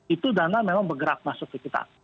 itu dana memang bergerak masuk ke kita